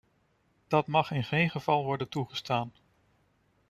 Dat mag in geen geval worden toegestaan.